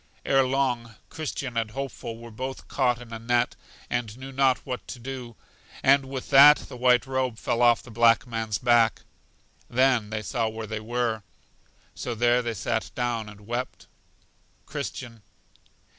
Ere long, Christian and Hopeful were both caught in a net, and knew not what to do; and with that the white robe fell off the black man's back. Then they saw where they were. So there they sat down and wept. Christian.